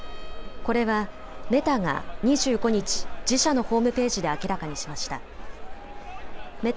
これはメタが２５日、自社のホームページで明らかにしました。